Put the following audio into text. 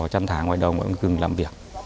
chăn thả ngoài đồng không cần làm việc